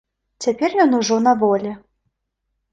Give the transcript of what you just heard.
Цяпер ён ужо на волі.